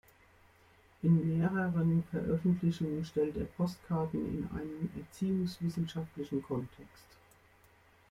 In mehreren Veröffentlichungen stellt er Postkarten in einen erziehungswissenschaftlichen Kontext.